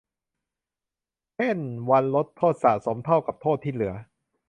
เช่น วันลดโทษสะสมเท่ากับโทษที่เหลือ